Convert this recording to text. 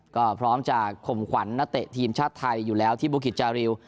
ก็พร้อมจะข่มขวัญนักเตะทีมชาติไทยอยู่แล้วที่บุกิจจาริว